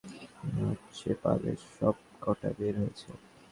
মনে হচ্ছে পালের সবকটা বের হয়েছে।